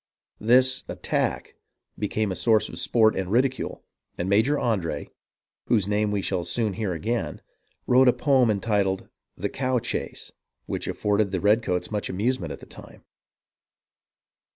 This "attack" became a source of sport and ridicule, and ]Major Andre, whose name we shall soon hear again, wrote a poem entitled "The Cow Chase," which afforded the redcoats much amusement at the time.